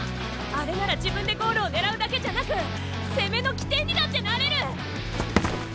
あれなら自分でゴールを狙うだけじゃなく攻めの起点にだってなれる！